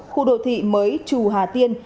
khu đồ thị mới trù hà tiên